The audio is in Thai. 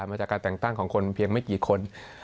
มาจากการแต่งตั้งของคนเพียงไม่กี่คน